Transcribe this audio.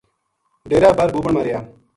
ڈیرا بر بُوبن ما رہیا